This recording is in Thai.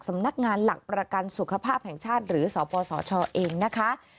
สำนักงานหลักประกันสุขภาพแห่งชาติหรือสปสชเองนะคะ